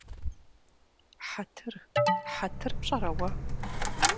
Хьэтыр… Хьэтыр пщӀэрэ уэ?